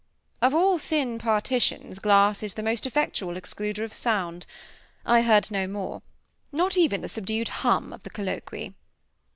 Of all thin partitions, glass is the most effectual excluder of sound. I heard no more, not even the subdued hum of the colloquy.